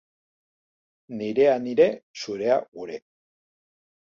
Nirea nire, zurea gure.